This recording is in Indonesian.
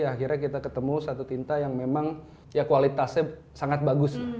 akhirnya kita ketemu satu tinta yang memang ya kualitasnya sangat bagus